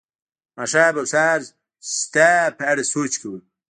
ماښام او سهار ستا په اړه سوچ کوم